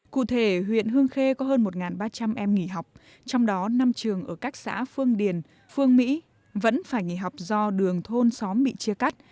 cụ thể huyện hương khê có hơn một ba trăm linh em nghỉ học trong đó năm trường ở các xã phương điền phương mỹ vẫn phải nghỉ học do đường thôn xóm bị chia cắt